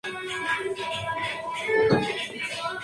A partir de estos datos se establece con precisión el grado de humedad.